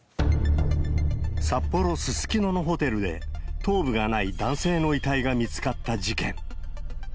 札幌・すすきののホテルで、頭部がない男性の遺体が見つかった事件。